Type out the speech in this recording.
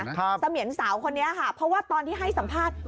เสมียนสาวคนนี้ค่ะเพราะว่าตอนที่ให้สัมภาษณ์